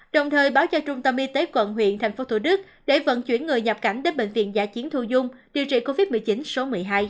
đồng thời báo cho trung tâm y tế quận huyện tp thủ đức để vận chuyển người nhập cảnh đến bệnh viện giả chiến thu dung điều trị covid một mươi chín số một mươi hai